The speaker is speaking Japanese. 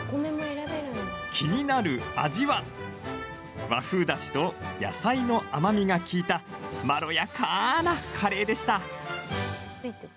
気になる味は和風だしと野菜の甘みが利いたまろやかなカレーでした。